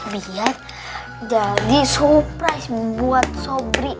biar jadi surprise buat sobri